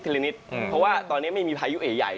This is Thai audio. นิดเพราะว่าตอนนี้ไม่มีพายุเอใหญ่